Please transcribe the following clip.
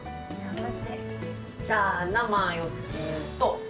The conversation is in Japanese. じゃあ、生４つと。